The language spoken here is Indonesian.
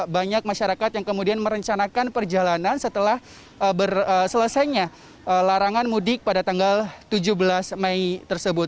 banyak masyarakat yang kemudian merencanakan perjalanan setelah selesainya larangan mudik pada tanggal tujuh belas mei tersebut